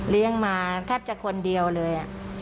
เลี้ยงมาแทบจะคนเดียวเลย